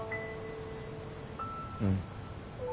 うん。